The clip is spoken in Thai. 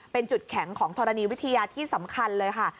เป็นจุดแข็งของธรณีวิทยาที่สำคัญเลยค่ะ